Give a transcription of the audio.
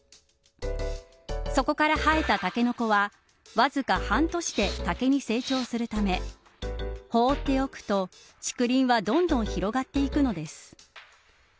そこから生えたタケノコはわずか半年で竹に成長するため放っておくと竹林はどんどん広がっていくんです。